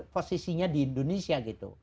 posisinya di indonesia